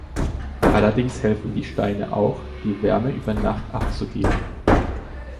Allerdings helfen die Steine auch, die Wärme über Nacht abzugeben.